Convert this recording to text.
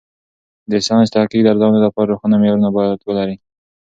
د ساینسي تحقیق د ارزونې لپاره روښانه معیارونه باید ولري.